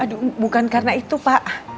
aduh bukan karena itu pak